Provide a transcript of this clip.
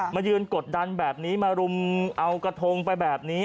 มายืนกดดันแบบนี้มารุมเอากระทงไปแบบนี้